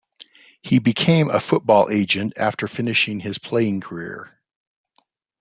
He became a football agent after finishing his playing career.